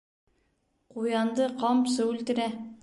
Ҡуянды ҡамсы үлтерә.